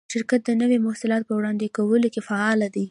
شرکت د نوو محصولاتو په وړاندې کولو کې فعال دی.